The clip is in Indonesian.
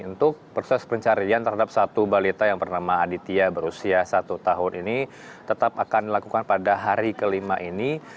untuk proses pencarian terhadap satu balita yang bernama aditya berusia satu tahun ini tetap akan dilakukan pada hari kelima ini